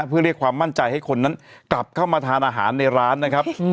เพื่อเรียกความมั่นใจให้คนนั้นกลับเข้ามาทานอาหารในร้านนะครับ